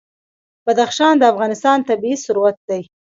بدخشان د افغانستان طبعي ثروت دی.